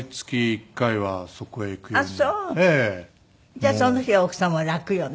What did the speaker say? じゃあその日は奥様も楽よね。